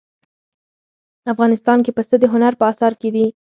افغانستان کې پسه د هنر په اثار کې دي.